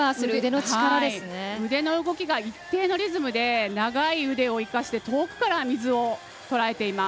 腕の動きが一定のリズムで長い腕を使って遠くから水をとらえています。